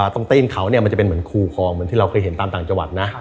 ตรงตีนเขาร์จะเป็นคู่คลองเหมือนที่เราเคยเห็นตามต่างจังหวัดนะ